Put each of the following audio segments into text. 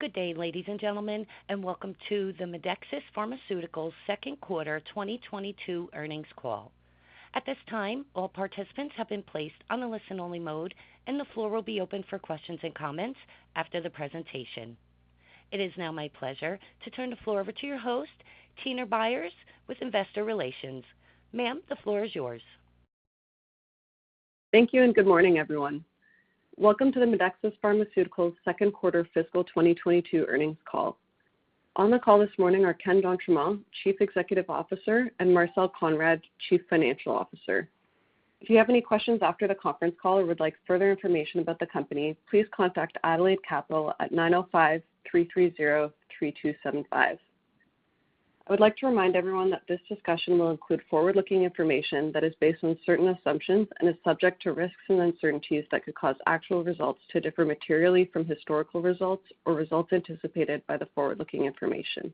Good day, ladies and gentlemen, and welcome to the Medexus Pharmaceuticals Second Quarter 2022 Earnings Call. At this time, all participants have been placed on a listen-only mode, and the floor will be open for questions and comments after the presentation. It is now my pleasure to turn the floor over to your host, Tina Byers with Investor Relations. Ma'am, the floor is yours. Thank you and good morning, everyone. Welcome to the Medexus Pharmaceuticals Q2 fiscal 2022 earnings call. On the call this morning are Ken d'Entremont, Chief Executive Officer, and Marcel Konrad, Chief Financial Officer. If you have any questions after the conference call or would like further information about the company, please contact Adelaide Capital at 905-330-3275. I would like to remind everyone that this discussion will include forward-looking information that is based on certain assumptions and is subject to risks and uncertainties that could cause actual results to differ materially from historical results or results anticipated by the forward-looking information.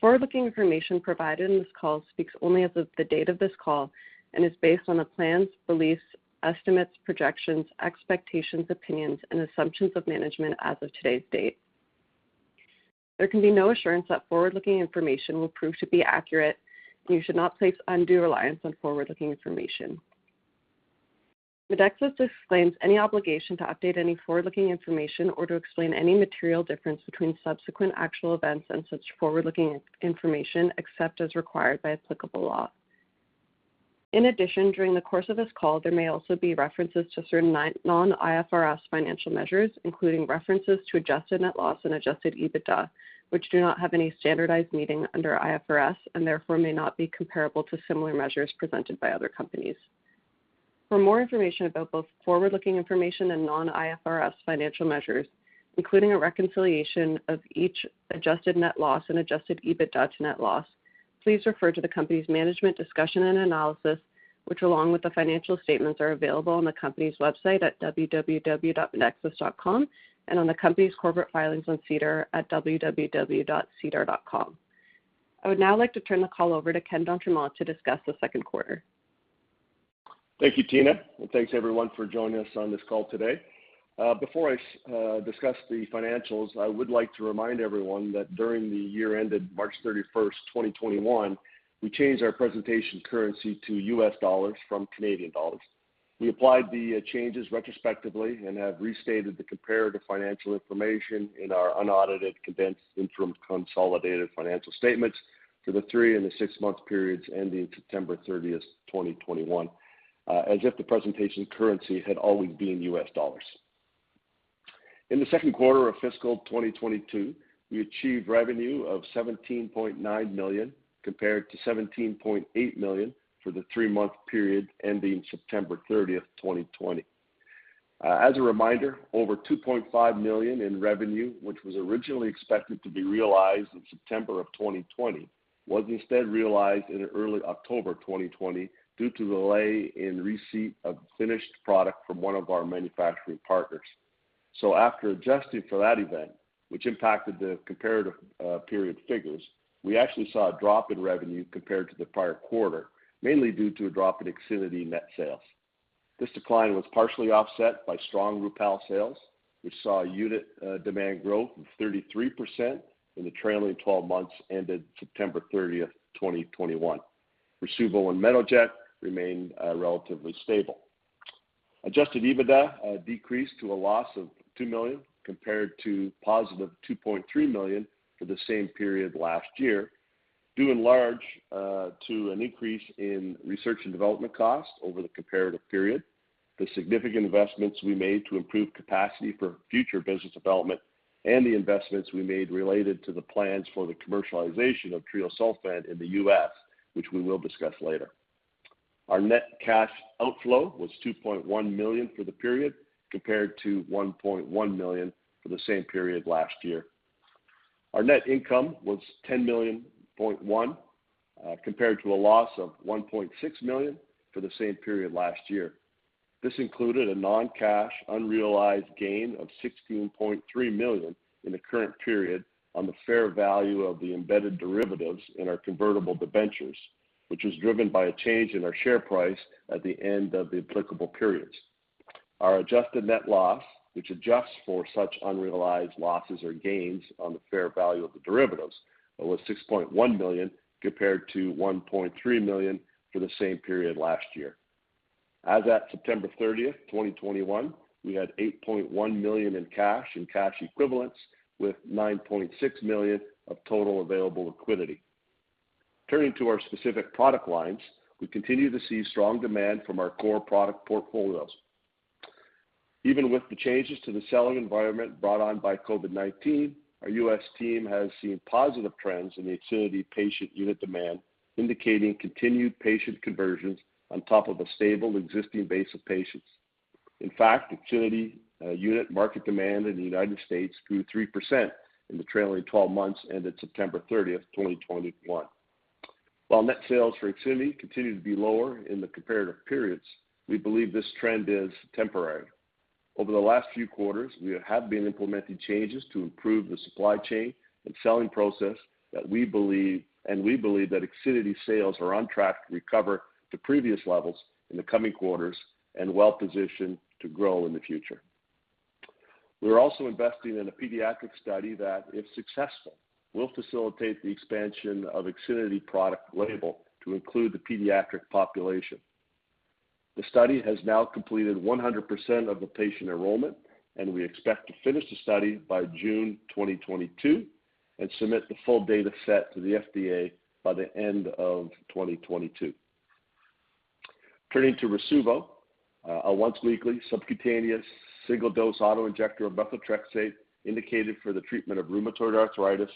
Forward-looking information provided in this call speaks only as of the date of this call and is based on the plans, beliefs, estimates, projections, expectations, opinions, and assumptions of management as of today's date. There can be no assurance that forward-looking information will prove to be accurate, and you should not place undue reliance on forward-looking information. Medexus disclaims any obligation to update any forward-looking information or to explain any material difference between subsequent actual events and such forward-looking information except as required by applicable law. In addition, during the course of this call, there may also be references to certain non-IFRS financial measures, including references to adjusted net loss and adjusted EBITDA, which do not have any standardized meaning under IFRS and therefore may not be comparable to similar measures presented by other companies. For more information about both forward-looking information and non-IFRS financial measures, including a reconciliation of each adjusted net loss and adjusted EBITDA to net loss, please refer to the company's management discussion and analysis, which, along with the financial statements, are available on the company's website at www.medexus.com and on the company's corporate filings on SEDAR at www.sedar.com. I would now like to turn the call over to Ken d'Entremont to discuss the Q2. Thank you, Tina, and thanks everyone for joining us on this call today. Before I discuss the financials, I would like to remind everyone that during the year ended March 31, 2021, we changed our presentation currency to U.S. dollars from Canadian dollars. We applied the changes retrospectively and have restated the comparative financial information in our unaudited condensed interim consolidated financial statements for the three and the six-month periods ending September 30, 2021, as of the presentation currency had always been U.S. dollars. In the Q2 of fiscal 2022, we achieved revenue of $17.9 million compared to $17.8 million for the three-month period ending September 30, 2020. As a reminder, over 2.5 million in revenue, which was originally expected to be realized in September 2020, was instead realized in early October 2020 due to delay in receipt of finished product from one of our manufacturing partners. After adjusting for that event, which impacted the comparative period figures, we actually saw a drop in revenue compared to the prior quarter, mainly due to a drop in IXINITY net sales. This decline was partially offset by strong Rupall sales, which saw unit demand growth of 33% in the trailing twelve months ended September 30, 2021. Rasuvo and Metoject remained relatively stable. Adjusted EBITDA decreased to a loss of $2 million compared to positive $2.3 million for the same period last year, due in large part to an increase in research and development costs over the comparative period, the significant investments we made to improve capacity for future business development, and the investments we made related to the plans for the commercialization of treosulfan in the U.S., which we will discuss later. Our net cash outflow was $2.1 million for the period, compared to $1.1 million for the same period last year. Our net income was $10.1 million, compared to a loss of $1.6 million for the same period last year. This included a non-cash, unrealized gain of $16.3 million in the current period on the fair value of the embedded derivatives in our convertible debentures, which was driven by a change in our share price at the end of the applicable periods. Our adjusted net loss, which adjusts for such unrealized losses or gains on the fair value of the derivatives, was $6.1 million, compared to $1.3 million for the same period last year. As at September 30, 2021, we had $8.1 million in cash and cash equivalents, with $9.6 million of total available liquidity. Turning to our specific product lines, we continue to see strong demand from our core product portfolios. Even with the changes to the selling environment brought on by COVID-19, our U.S. team has seen positive trends in the IXINITY patient unit demand, indicating continued patient conversions on top of a stable existing base of patients. In fact, IXINITY unit market demand in the United States grew 3% in the trailing twelve months ended September 30, 2021. While net sales for IXINITY continue to be lower in the comparative periods, we believe this trend is temporary. Over the last few quarters, we have been implementing changes to improve the supply chain and selling process that we believe that IXINITY sales are on track to recover to previous levels in the coming quarters and well-positioned to grow in the future. We are also investing in a pediatric study that, if successful, will facilitate the expansion of IXINITY product label to include the pediatric population. The study has now completed 100% of the patient enrollment, and we expect to finish the study by June 2022 and submit the full data set to the FDA by the end of 2022. Turning to Rasuvo, a once-weekly subcutaneous single-dose auto-injector of methotrexate indicated for the treatment of rheumatoid arthritis,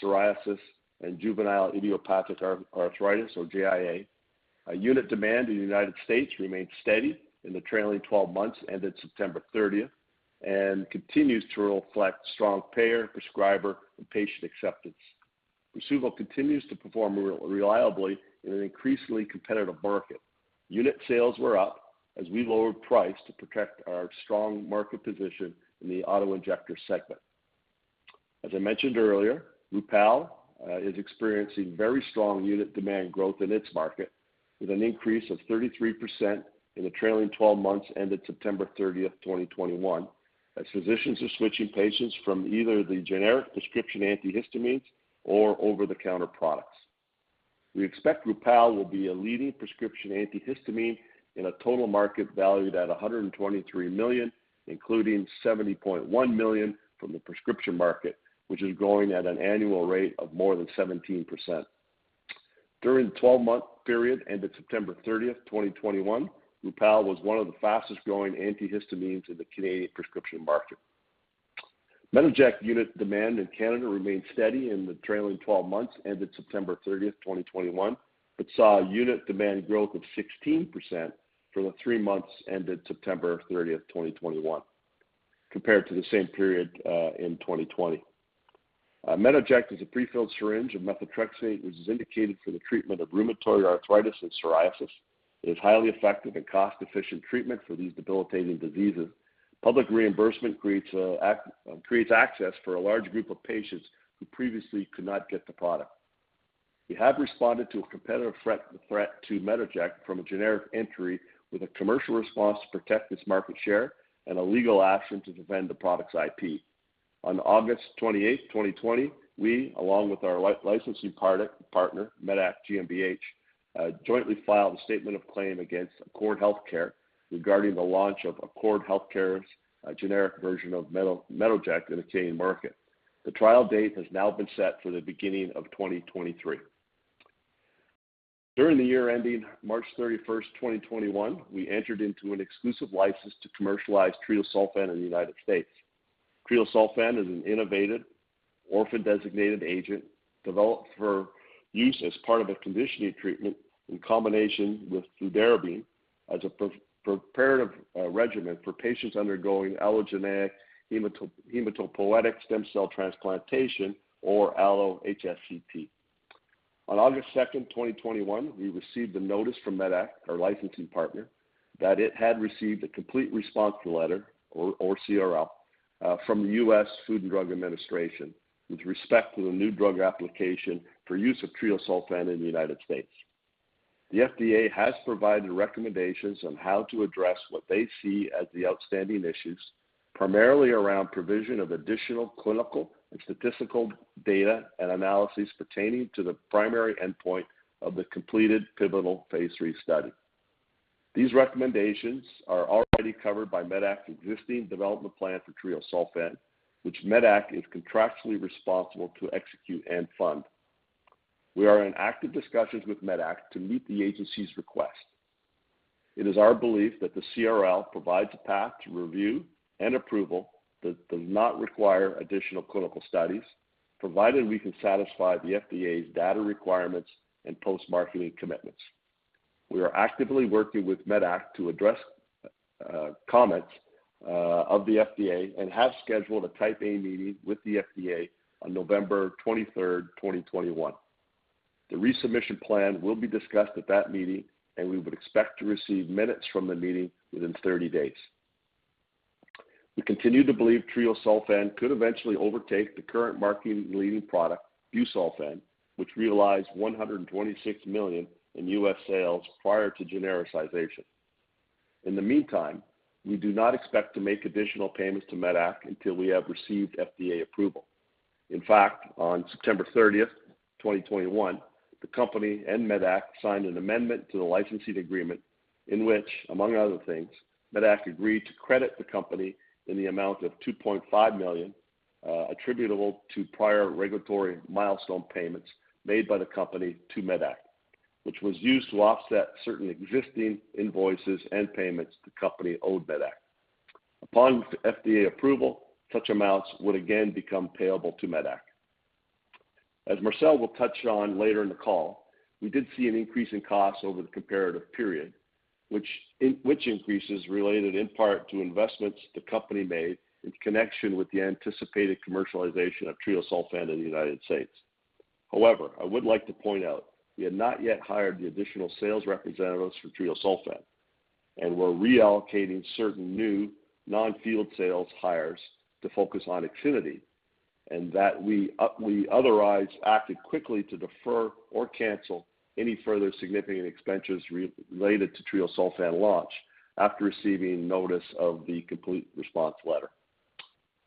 psoriasis, and juvenile idiopathic arthritis or JIA. Unit demand in the United States remained steady in the trailing 12 months ended September 30, and continues to reflect strong payer, prescriber, and patient acceptance. Rasuvo continues to perform reliably in an increasingly competitive market. Unit sales were up as we lowered price to protect our strong market position in the auto-injector segment. As I mentioned earlier, Rupall is experiencing very strong unit demand growth in its market with an increase of 33% in the trailing 12 months ended September 30, 2021, as physicians are switching patients from either the generic prescription antihistamines or over-the-counter products. We expect Rupall will be a leading prescription antihistamine in a total market valued at 123 million, including 70.1 million from the prescription market, which is growing at an annual rate of more than 17%. During the twelve-month period ended September 30, 2021, Rupall was one of the fastest growing antihistamines in the Canadian prescription market. Metoject unit demand in Canada remained steady in the trailing twelve months ended September 30, 2021, but saw unit demand growth of 16% for the three months ended September 30, 2021, compared to the same period in 2020. Metoject is a prefilled syringe of methotrexate, which is indicated for the treatment of rheumatoid arthritis and psoriasis. It is highly effective and cost-efficient treatment for these debilitating diseases. Public reimbursement creates access for a large group of patients who previously could not get the product. We have responded to a competitive threat to Metoject from a generic entry with a commercial response to protect its market share and a legal action to defend the product's IP. On August 28, 2020, we, along with our licensing partner, medac GmbH, jointly filed a statement of claim against Accord Healthcare regarding the launch of Accord Healthcare's generic version of Metoject in the Canadian market. The trial date has now been set for the beginning of 2023. During the year ending March 31, 2021, we entered into an exclusive license to commercialize treosulfan in the United States. Treosulfan is an innovative orphan-designated agent developed for use as part of a conditioning treatment in combination with fludarabine as a pre-preparative regimen for patients undergoing allogeneic hematopoietic stem cell transplantation or allo-HSCT. On August 2, 2021, we received a notice from medac, our licensing partner, that it had received a complete response letter, or CRL, from the U.S. Food and Drug Administration with respect to the new drug application for use of treosulfan in the United States. The FDA has provided recommendations on how to address what they see as the outstanding issues, primarily around provision of additional clinical and statistical data and analyses pertaining to the primary endpoint of the completed pivotal phase III study. These recommendations are already covered by medac's existing development plan for treosulfan, which medac is contractually responsible to execute and fund. We are in active discussions with medac to meet the agency's request. It is our belief that the CRL provides a path to review and approval that does not require additional clinical studies, provided we can satisfy the FDA's data requirements and post-marketing commitments. We are actively working with medac to address comments of the FDA and have scheduled a type A meeting with the FDA on November 23, 2021. The resubmission plan will be discussed at that meeting, and we would expect to receive minutes from the meeting within 30 days. We continue to believe treosulfan could eventually overtake the current market leading product, busulfan, which realized $126 million in U.S. sales prior to genericization. In the meantime, we do not expect to make additional payments to medac until we have received FDA approval. In fact, on September 30, 2021, the company and medac signed an amendment to the licensing agreement in which, among other things, medac agreed to credit the company in the amount of $2.5 million attributable to prior regulatory milestone payments made by the company to medac, which was used to offset certain existing invoices and payments the company owed medac. Upon FDA approval, such amounts would again become payable to medac. As Marcel will touch on later in the call, we did see an increase in costs over the comparative period, which increase is related in part to investments the company made in connection with the anticipated commercialization of treosulfan in the United States. However, I would like to point out we have not yet hired the additional sales representatives for treosulfan, and we're reallocating certain new non-field sales hires to focus on IXINITY. That we otherwise acted quickly to defer or cancel any further significant expenditures related to treosulfan launch after receiving notice of the complete response letter.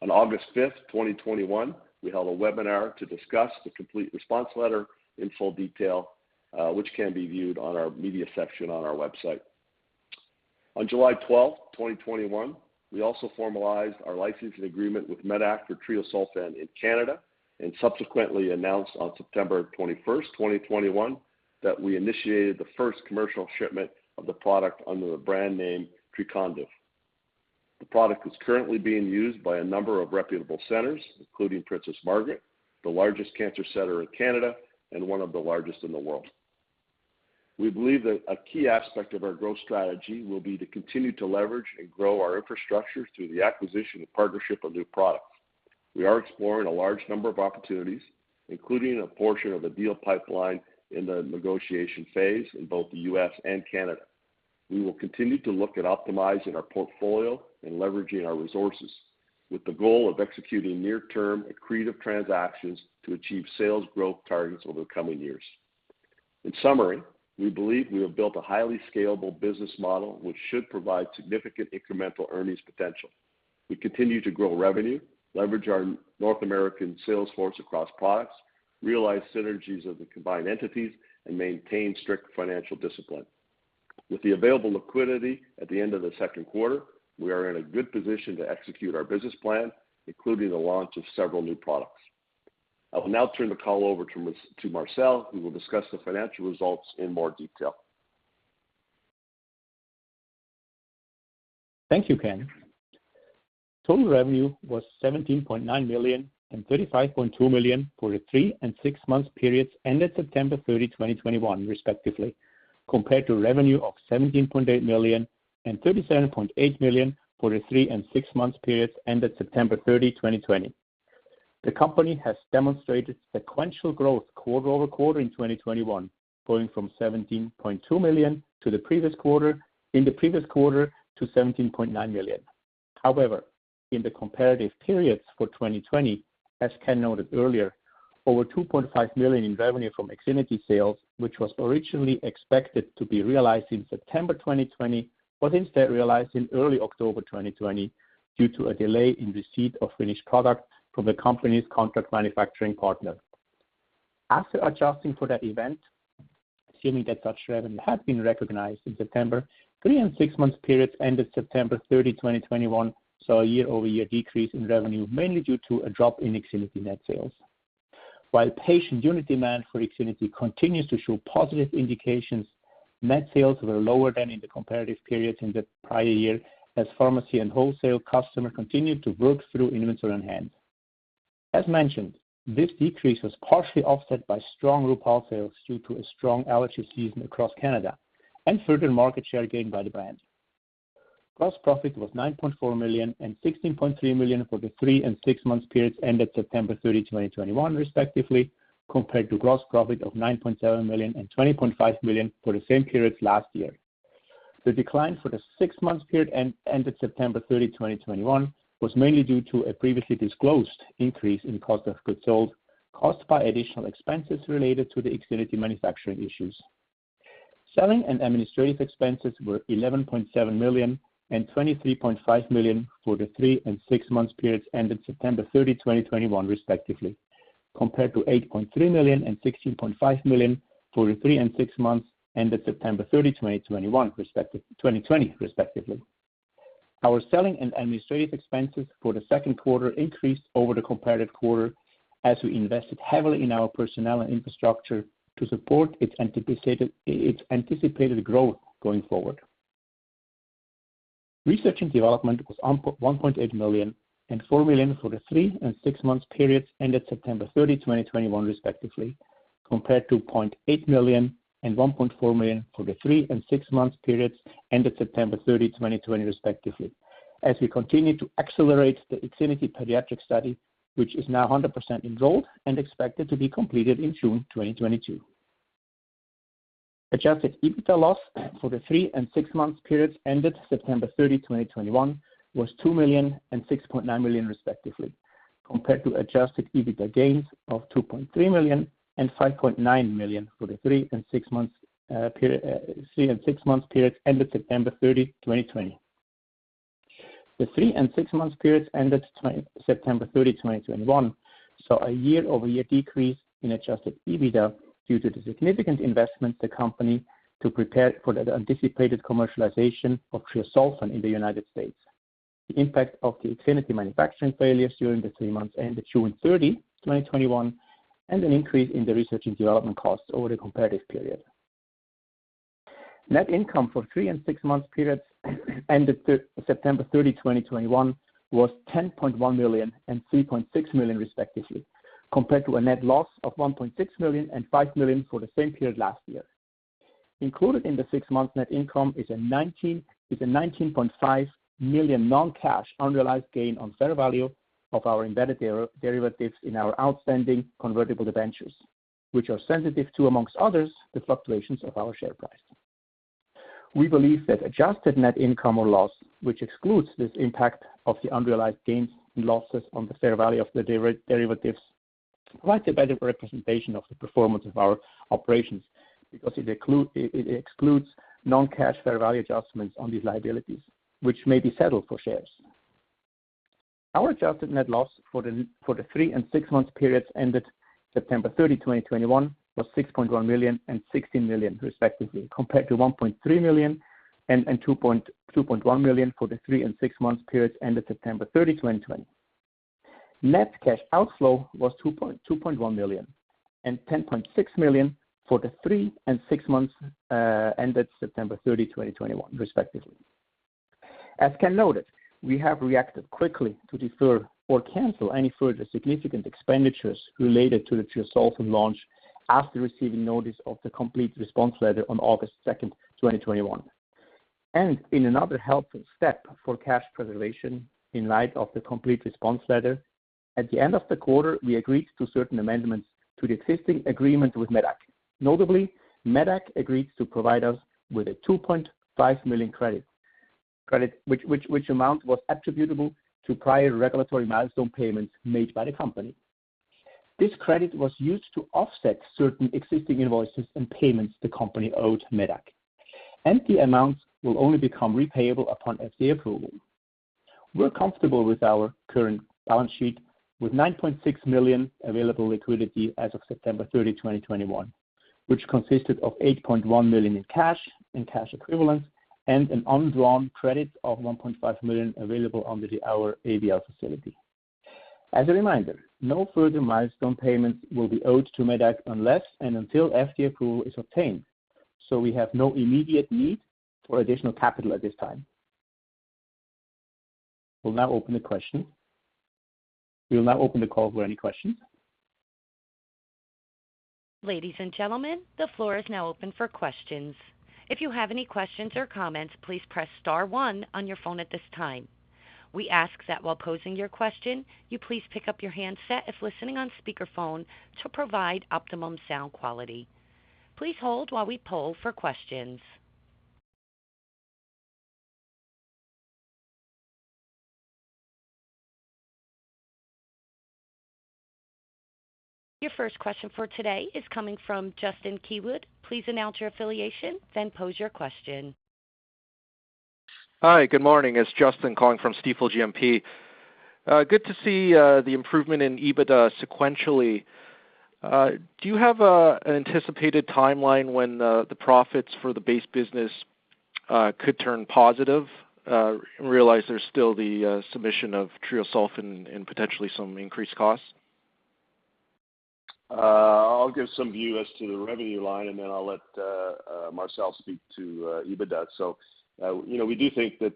On August 5, 2021, we held a webinar to discuss the complete response letter in full detail, which can be viewed on our media section on our website. On July 12, 2021, we also formalized our licensing agreement with medac for treosulfan in Canada, and subsequently announced on September 21, 2021 that we initiated the first commercial shipment of the product under the brand name Trecondyv. The product is currently being used by a number of reputable centers, including Princess Margaret, the largest cancer center in Canada and one of the largest in the world. We believe that a key aspect of our growth strategy will be to continue to leverage and grow our infrastructure through the acquisition and partnership of new products. We are exploring a large number of opportunities, including a portion of the deal pipeline in the negotiation phase in both the U.S. and Canada. We will continue to look at optimizing our portfolio and leveraging our resources with the goal of executing near-term accretive transactions to achieve sales growth targets over the coming years. In summary, we believe we have built a highly scalable business model which should provide significant incremental earnings potential. We continue to grow revenue, leverage our North American sales force across products, realize synergies of the combined entities, and maintain strict financial discipline. With the available liquidity at the end of the Q2, we are in a good position to execute our business plan, including the launch of several new products. I will now turn the call over to Marcel, who will discuss the financial results in more detail. Thank you, Ken. Total revenue was 17.9 million and 35.2 million for the three- and six-month periods ended September 30, 2021 respectively, compared to revenue of 17.8 million and 37.8 million for the 3- and 6-month periods ended September 30, 2020. The company has demonstrated sequential growth quarter-over-quarter in 2021, growing from 17.2 million to the previous quarter, in the previous quarter to 17.9 million. However, in the comparative periods for 2020, as Ken noted earlier, over 2.5 million in revenue from IXINITY sales, which was originally expected to be realized in September 2020, but instead realized in early October 2020 due to a delay in receipt of finished product from the company's contract manufacturing partner. After adjusting for that event, assuming that such revenue had been recognized in September, the 3- and 6-month periods ended September 30, 2021, saw a year-over-year decrease in revenue, mainly due to a drop in IXINITY net sales. While patient unit demand for IXINITY continues to show positive indications, net sales were lower than in the comparative periods in the prior year as pharmacy and wholesale customers continued to work through inventory on hand. As mentioned, this decrease was partially offset by strong Rupall sales due to a strong allergy season across Canada and further market share gained by the brand. Gross profit was 9.4 million and 16.3 million for the 3- and 6-month periods ended September 30, 2021, respectively, compared to gross profit of 9.7 million and 20.5 million for the same periods last year. The decline for the six-month period ended September 30, 2021, was mainly due to a previously disclosed increase in cost of goods sold caused by additional expenses related to the IXINITY manufacturing issues. Selling and administrative expenses were $11.7 million and $23.5 million for the three- and six-month periods ended September 30, 2021, respectively, compared to $8.3 million and $16.5 million for the three and six months ended September 30, 2020, respectively. Our selling and administrative expenses for the Q2 increased over the comparative quarter as we invested heavily in our personnel and infrastructure to support its anticipated growth going forward. Research and development was $1.8 million and $4 million for the three- and six-month periods ended September 30, 2021, respectively, compared to $0.8 million and $1.4 million for the three- and six-month periods ended September 30, 2020, respectively, as we continue to accelerate the IXINITY pediatric study, which is now 100% enrolled and expected to be completed in June 2022. Adjusted EBITDA loss for the 3- and 6-month periods ended September 30, 2021, was $2 million and $6.9 million, respectively, compared to adjusted EBITDA gains of $2.3 million and $5.9 million for the three- and six-month periods ended September 30, 2020. The 3- and 6-month periods ended September 30, 2021, saw a year-over-year decrease in adjusted EBITDA due to the significant investments by the company to prepare for the anticipated commercialization of treosulfan in the U.S., the impact of the IXINITY manufacturing failures during the 3 months ended June 30, 2021, and an increase in the research and development costs over the comparative period. Net income for 3- and 6-month periods ended September 30, 2021, was $10.1 million and $3.6 million, respectively, compared to a net loss of $1.6 million and $5 million for the same period last year. Included in the 6-month net income is a $19.5 million non-cash unrealized gain on fair value of our embedded derivatives in our outstanding convertible debentures, which are sensitive to, among others, the fluctuations of our share price. We believe that adjusted net income or loss, which excludes this impact of the unrealized gains and losses on the fair value of the derivatives, provides a better representation of the performance of our operations because it excludes non-cash fair value adjustments on these liabilities, which may be settled for shares. Our adjusted net loss for the 3- and 6-month periods ended September 30, 2021 was $6.1 million and $60 million respectively, compared to $1.3 million and $2.1 million for the 3- and 6-month periods ended September 30, 2020. Net cash outflow was 2.21 million and 10.6 million for the 3- and 6-month ended September 30, 2021, respectively. As Ken noted, we have reacted quickly to defer or cancel any further significant expenditures related to the treosulfan launch after receiving notice of the complete response letter on August 2, 2021. In another helpful step for cash preservation in light of the complete response letter, at the end of the quarter, we agreed to certain amendments to the existing agreement with medac. Notably, medac agreed to provide us with a 2.5 million credit which amount was attributable to prior regulatory milestone payments made by the company. This credit was used to offset certain existing invoices and payments the company owed medac, and the amounts will only become repayable upon FDA approval. We're comfortable with our current balance sheet with 9.6 million available liquidity as of September 30, 2021, which consisted of 8.1 million in cash and cash equivalents and an undrawn credit of 1.5 million available under our ABL facility. As a reminder, no further milestone payments will be owed to medac unless and until FDA approval is obtained, so we have no immediate need for additional capital at this time. We will now open the call for any questions. Ladies and gentlemen, the floor is now open for questions. If you have any questions or comments, please press star one on your phone at this time. We ask that while posing your question, you please pick up your handset if listening on speakerphone to provide optimum sound quality. Please hold while we poll for questions. Your first question for today is coming from Justin Keywood. Please announce your affiliation, then pose your question. Hi, good morning. It's Justin Keywood calling from Stifel GMP. Good to see the improvement in EBITDA sequentially. Do you have an anticipated timeline when the profits for the base business could turn positive? Realize there's still the submission of treosulfan and potentially some increased costs. I'll give some view as to the revenue line, and then I'll let Marcel speak to EBITDA. You know, we do think that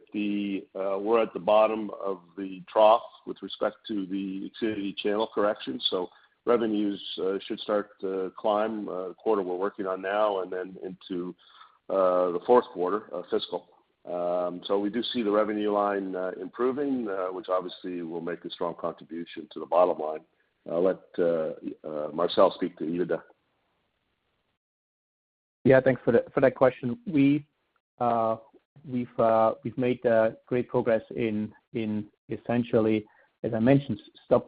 we're at the bottom of the trough with respect to the activity channel correction. Revenues should start to climb quarter we're working on now and then into the Q4 fiscal. We do see the revenue line improving, which obviously will make a strong contribution to the bottom line. I'll let Marcel speak to EBITDA. Yeah, thanks for that question. We've made great progress in essentially, as I mentioned,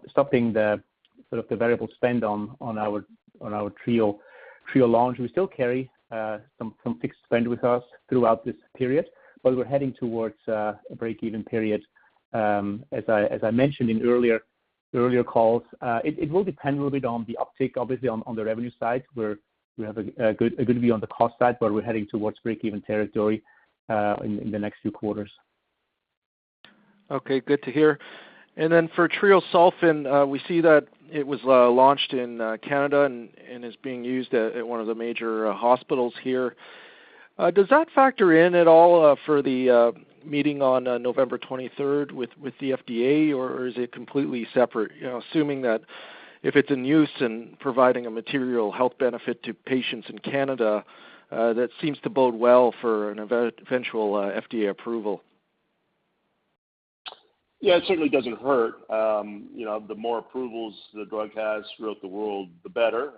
stopping the sort of the variable spend on our Treo launch. We still carry some fixed spend with us throughout this period, but we're heading towards a break-even period. As I mentioned in earlier calls, it will depend a little bit on the uptake, obviously, on the revenue side, where we have a good view on the cost side, but we're heading towards break-even territory in the next few quarters. Okay, good to hear. For treosulfan, we see that it was launched in Canada and is being used at one of the major hospitals here. Does that factor in at all for the meeting on November 23 with the FDA, or is it completely separate? You know, assuming that if it's in use and providing a material health benefit to patients in Canada, that seems to bode well for an eventual FDA approval. Yeah, it certainly doesn't hurt. You know, the more approvals the drug has throughout the world, the better.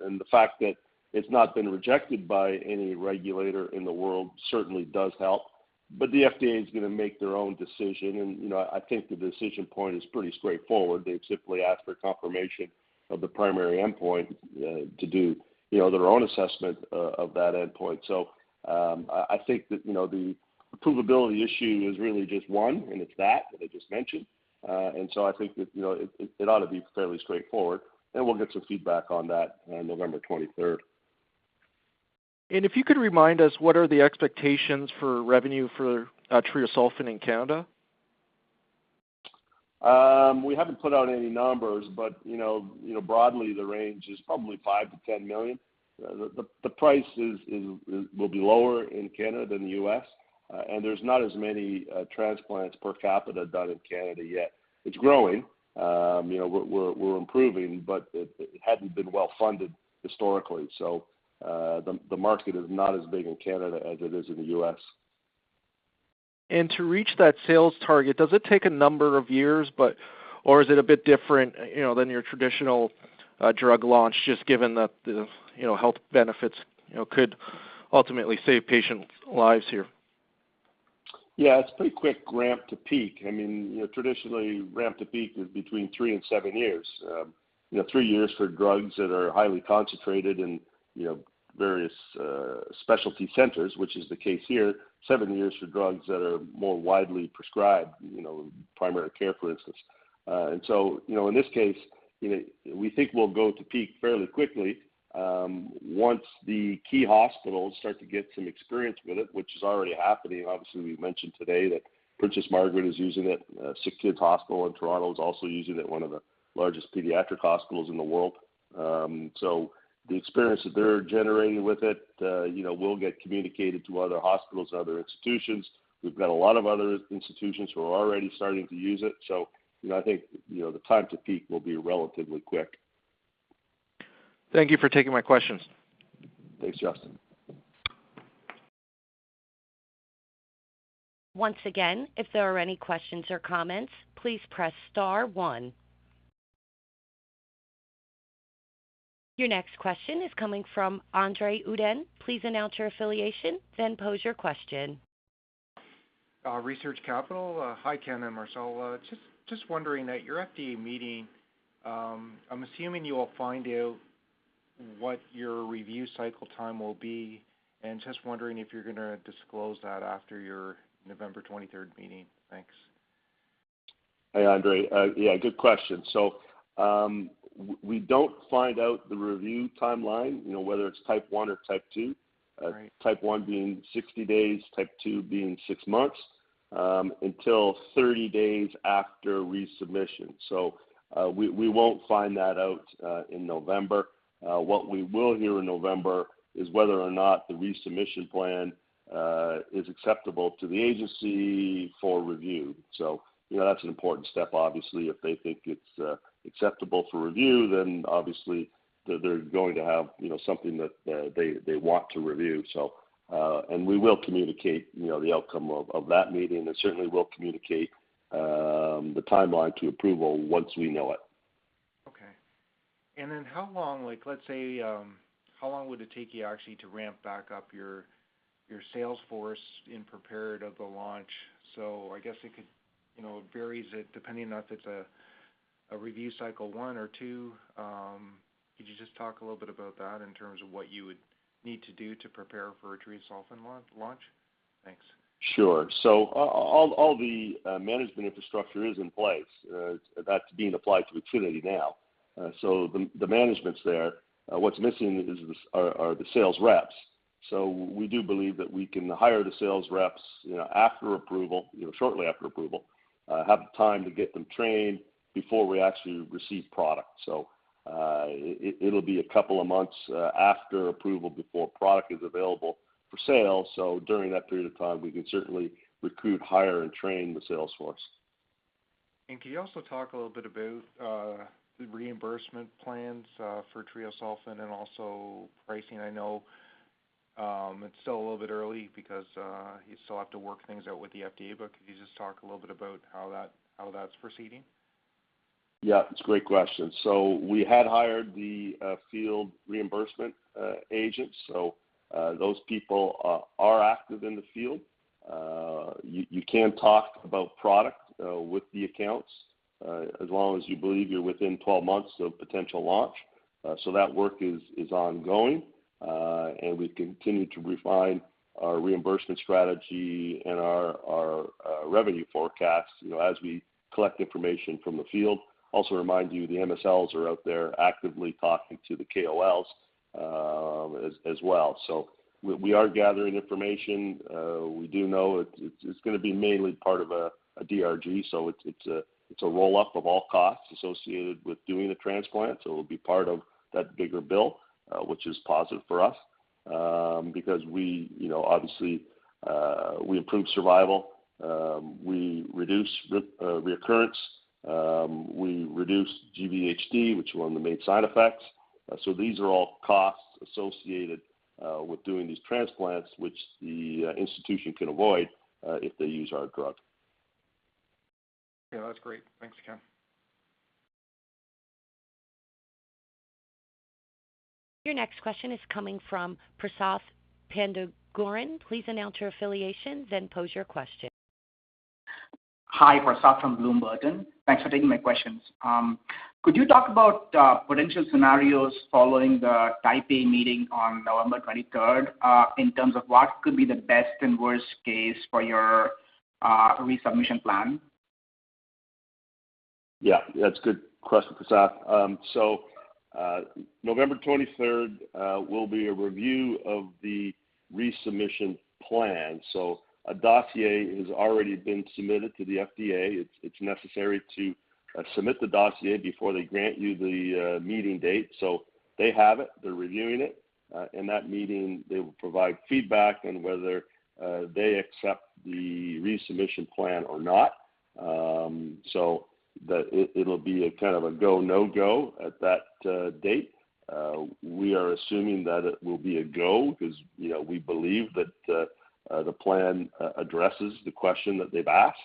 The fact that it's not been rejected by any regulator in the world certainly does help. The FDA is gonna make their own decision and, you know, I think the decision point is pretty straightforward. They simply ask for confirmation of the primary endpoint, to do, you know, their own assessment of that endpoint. I think that, you know, the approvability issue is really just one, and it's that I just mentioned. I think that, you know, it ought to be fairly straightforward, and we'll get some feedback on that on November 23. If you could remind us what are the expectations for revenue for treosulfan in Canada? We haven't put out any numbers, but you know, broadly the range is probably 5 million-10 million. The price will be lower in Canada than the U.S., and there's not as many transplants per capita done in Canada yet. It's growing. You know, we're improving, but it hadn't been well funded historically. The market is not as big in Canada as it is in the U.S. To reach that sales target, does it take a number of years, or is it a bit different, you know, than your traditional drug launch, just given that the, you know, health benefits, you know, could ultimately save patient lives here? Yeah, it's pretty quick ramp to peak. I mean, you know, traditionally ramp to peak is between 3 and 7 years. You know, 3 years for drugs that are highly concentrated and, you know, various, specialty centers, which is the case here. 7 years for drugs that are more widely prescribed, you know, primary care, for instance. In this case, you know, we think we'll go to peak fairly quickly, once the key hospitals start to get some experience with it, which is already happening. Obviously, we mentioned today that Princess Margaret is using it. SickKids Hospital in Toronto is also using it, one of the largest pediatric hospitals in the world. The experience that they're generating with it, you know, will get communicated to other hospitals and other institutions. We've got a lot of other institutions who are already starting to use it, so, you know, I think, you know, the time to peak will be relatively quick. Thank you for taking my questions. Thanks, Justin. Once again, if there are any questions or comments, please press star one. Your next question is coming from Andre Uddin. Please announce your affiliation, then pose your question. Research Capital. Hi, Ken and Marcel. Just wondering, at your FDA meeting, I'm assuming you'll find out what your review cycle time will be. Just wondering if you're gonna disclose that after your November 23 meeting. Thanks. Hey, Andre. Yeah, good question. We don't find out the review timeline, you know, whether it's Type 1 or Type 2. Right. Type 1 being 60 days, Type 2 being 6 months, until 30 days after resubmission. We won't find that out in November. What we will hear in November is whether or not the resubmission plan is acceptable to the agency for review. You know, that's an important step, obviously. If they think it's acceptable for review, then obviously they're going to have, you know, something that they want to review. We will communicate, you know, the outcome of that meeting, and certainly we'll communicate the timeline to approval once we know it. Okay. Then how long, like, let's say, how long would it take you actually to ramp back up your sales force in preparation for the launch? I guess it could. You know, it varies depending on if it's a review cycle one or two. Could you just talk a little bit about that in terms of what you would need to do to prepare for a treosulfan launch? Thanks. Sure. All the management infrastructure is in place, that's being applied to IXINITY now. The management's there. What's missing are the sales reps. We do believe that we can hire the sales reps, you know, after approval, you know, shortly after approval, have the time to get them trained before we actually receive product. It'll be a couple of months after approval before product is available for sale. During that period of time, we could certainly recruit, hire, and train the sales force. Could you also talk a little bit about the reimbursement plans for treosulfan and also pricing? I know it's still a little bit early because you still have to work things out with the FDA, but could you just talk a little bit about how that's proceeding? Yeah, it's a great question. We had hired the field reimbursement agents. Those people are active in the field. You can talk about product with the accounts as long as you believe you're within 12 months of potential launch. That work is ongoing. We've continued to refine our reimbursement strategy and our revenue forecast, you know, as we collect information from the field. Also remind you, the MSLs are out there actively talking to the KOLs, as well. We are gathering information. We do know it's gonna be mainly part of a DRG. It's a roll-up of all costs associated with doing the transplant. It'll be part of that bigger bill, which is positive for us, because we, you know, obviously, we improve survival. We reduce recurrence. We reduce GVHD, which are one of the main side effects. These are all costs associated with doing these transplants, which the institution can avoid if they use our drug. Yeah, that's great. Thanks, Ken. Your next question is coming from Prasath Pandurangan. Please announce your affiliation, then pose your question. Hi. Prasath Pandurangan from Bloom Burton. Thanks for taking my questions. Could you talk about potential scenarios following the Type A meeting on November 23rd in terms of what could be the best and worst case for your resubmission plan? Yeah, that's a good question, Prasath. November 23 will be a review of the resubmission plan. A dossier has already been submitted to the FDA. It's necessary to submit the dossier before they grant you the meeting date. They have it. They're reviewing it. In that meeting, they will provide feedback on whether they accept the resubmission plan or not. That it'll be a kind of a go, no-go at that date. We are assuming that it will be a go because, you know, we believe that the plan addresses the question that they've asked.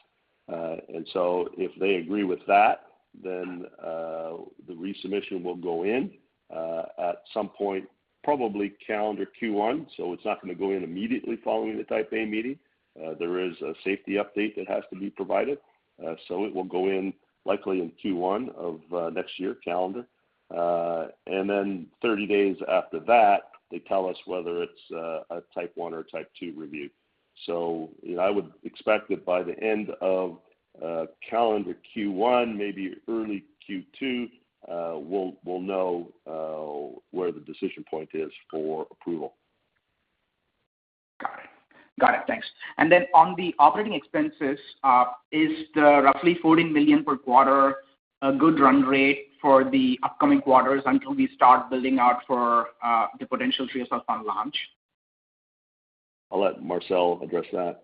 If they agree with that, then the resubmission will go in at some point, probably calendar Q1. It's not gonna go in immediately following the Type A meeting. There is a safety update that has to be provided. It will go in likely in Q1 of next year, calendar. 30 days after that, they tell us whether it's a Type 1 or Type 2 review. You know, I would expect that by the end of calendar Q1, maybe early Q2, we'll know where the decision point is for approval. Got it. Thanks. On the operating expenses, is the roughly $14 million per quarter a good run rate for the upcoming quarters until we start building out for the potential treosulfan launch? I'll let Marcel address that.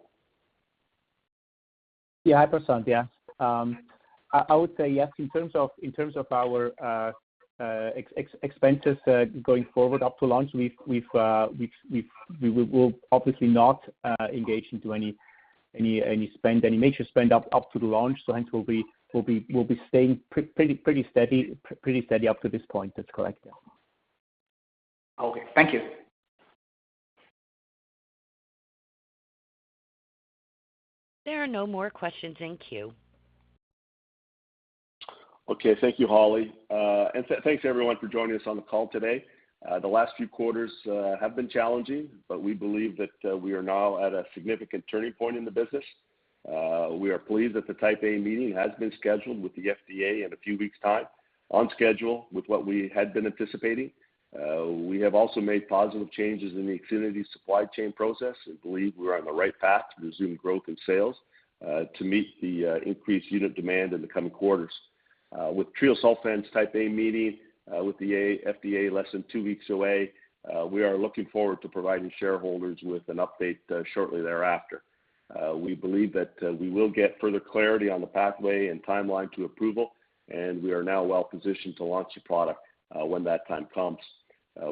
Yeah, hi, Prasath. Yeah. I would say yes in terms of our expenses going forward up to launch. We will obviously not engage into any major spend up to the launch. Hence, we'll be staying pretty steady up to this point. That's correct, yeah. Okay. Thank you. There are no more questions in queue. Okay. Thank you, Holly. And thanks everyone for joining us on the call today. The last few quarters have been challenging, but we believe that we are now at a significant turning point in the business. We are pleased that the Type A meeting has been scheduled with the FDA in a few weeks' time on schedule with what we had been anticipating. We have also made positive changes in the IXINITY supply chain process and believe we're on the right path to resume growth in sales to meet the increased unit demand in the coming quarters. With treosulfan's Type A meeting with the FDA less than two weeks away, we are looking forward to providing shareholders with an update shortly thereafter. We believe that we will get further clarity on the pathway and timeline to approval, and we are now well positioned to launch the product, when that time comes.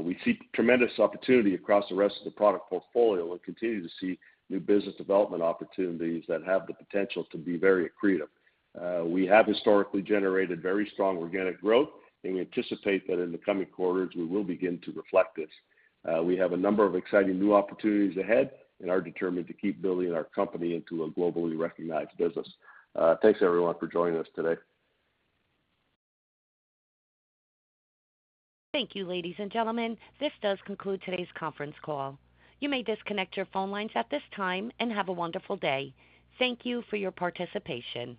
We see tremendous opportunity across the rest of the product portfolio and continue to see new business development opportunities that have the potential to be very accretive. We have historically generated very strong organic growth and anticipate that in the coming quarters, we will begin to reflect this. We have a number of exciting new opportunities ahead and are determined to keep building our company into a globally recognized business. Thanks everyone for joining us today. Thank you, ladies and gentlemen. This does conclude today's conference call. You may disconnect your phone lines at this time and have a wonderful day. Thank you for your participation.